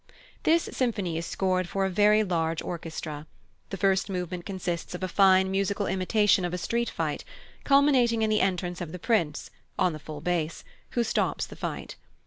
This symphony is scored for a very large orchestra. The first movement consists of a fine musical imitation of a street fight, culminating in the entrance of the Prince (on the full bass), who stops the fight.